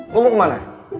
lo mau kemana